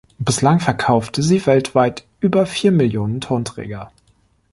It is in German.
Bislang verkaufte sie weltweit über vier Millionen Tonträger.